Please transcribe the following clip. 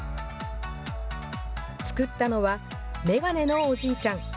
作ったのは、メガネのおじいちゃん。